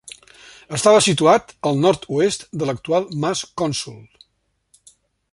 Estava situat al nord-oest de l'actual Mas Cònsol.